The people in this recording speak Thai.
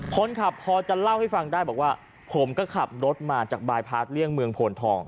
คนขับพอจะเล่าให้ฟังได้บอกว่าผมก็ขับรถมาจากบายพาร์ทเลี่ยงเมืองโพนทอง